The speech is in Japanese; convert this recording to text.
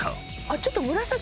ちょっと。